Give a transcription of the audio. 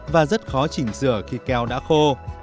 và rất khó chỉnh sửa khi keo đã khô